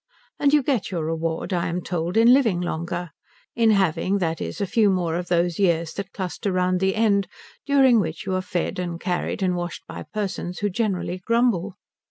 And you get your reward, I am told, in living longer; in having, that is, a few more of those years that cluster round the end, during which you are fed and carried and washed by persons who generally grumble.